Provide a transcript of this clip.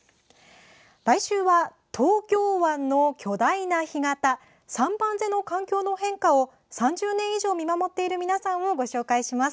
来週は、東京湾の巨大な干潟三番瀬の環境の変化を３０年以上見守っている皆さんをご紹介します。